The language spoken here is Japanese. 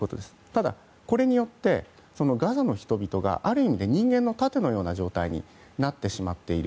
ただ、これによってガザの人々がある意味で人間の盾のような状態になってしまっている。